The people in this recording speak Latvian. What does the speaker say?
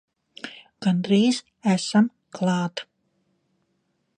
Gandrīz esam klāt!